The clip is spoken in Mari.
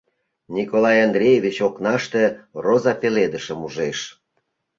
Николай Андреевич окнаште роза пеледышым ужеш.